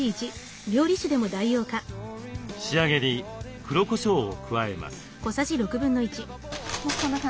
仕上げに黒こしょうを加えます。